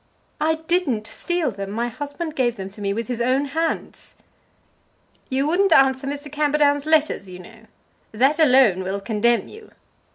"I didn't steal them. My husband gave them to me with his own hands." "You wouldn't answer Mr. Camperdown's letters, you know. That alone will condemn you.